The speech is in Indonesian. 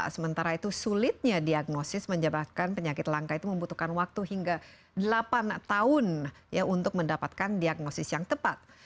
sementara itu sulitnya diagnosis menyebabkan penyakit langka itu membutuhkan waktu hingga delapan tahun untuk mendapatkan diagnosis yang tepat